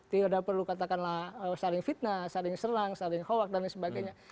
tidak ada perlu katakanlah saling fitnah saling serang saling hoak dan sebagainya